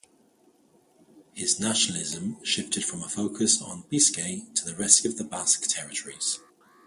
His nationalism shifted from a focus on Biscay to the rest of Basque territories.